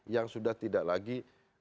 yang sudah tidak lagi